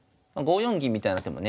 四銀みたいな手もね